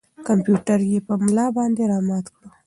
کمپیوټر یې په ملا باندې را مات کړ.